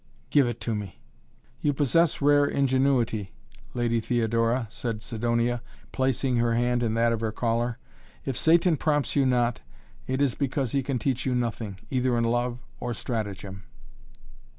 "Give it to me!" "You possess rare ingenuity, Lady Theodora," said Sidonia, placing her hand in that of her caller. "If Satan prompts you not, it is because he can teach you nothing, either in love or stratagem."